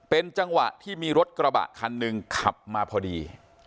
เป็นจังหวะที่มีรถกระบะคันหนึ่งขับมาพอดี